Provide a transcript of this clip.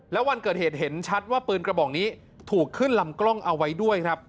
แล้ววันเกิดเหตุเห็นชัดว่าปืนกระบอกนี้ถูกขึ้นลำกล้องเอาไว้ด้วยครับ